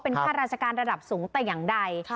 ค่าราชการระดับสูงแต่อย่างใด